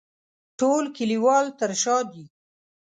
ټول کلیوال تر شا دي.